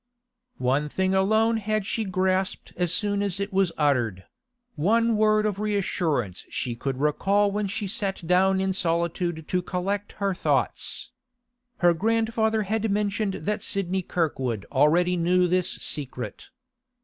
One thing alone had she grasped as soon as it was uttered; one word of reassurance she could recall when she sat down in solitude to collect her thoughts. Her grandfather had mentioned that Sidney Kirkwood already knew this secret.